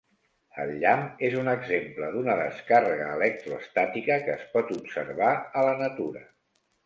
El llamp és un exemple d'una descàrrega electroestàtica que es pot observar a la natura.